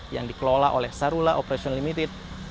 yang dikelola oleh sarula operation limited